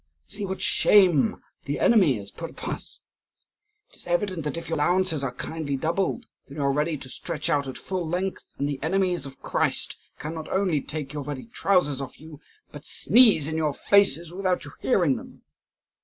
See what shame the enemy has put upon us! It is evident that, if your allowances are kindly doubled, then you are ready to stretch out at full length, and the enemies of Christ can not only take your very trousers off you, but sneeze in your faces without your hearing them!"